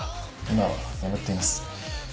今は眠っています。